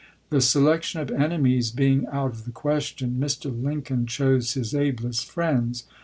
The selection of enemies being out of the ques tion, Mr. Lincoln chose his ablest friends.